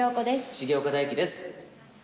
重岡大毅です。